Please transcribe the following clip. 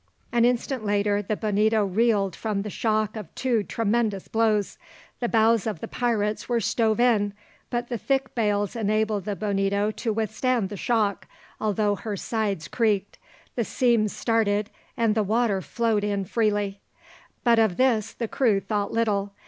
An instant later the Bonito reeled from the shock of two tremendous blows. The bows of the pirates were stove in, but the thick bales enabled the Bonito to withstand the shock, although her sides creaked, the seams started, and the water flowed in freely. But of this the crew thought little.